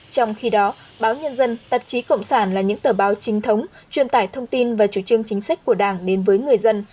trong khi đó báo nhân dân tạp chí cộng sản là những tờ báo trinh thống truyền tải thông tin và chủ trương chính sách của đảng đến với người dân